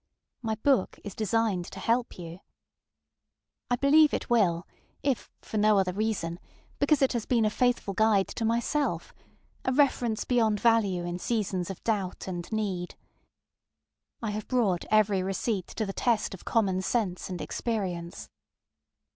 My book is designed to help you. I believe it will, if for no other reason, because it has been a faithful guide to myselfŌĆöa reference beyond value in seasons of doubt and need. I have brought every receipt to the test of common sense and experience.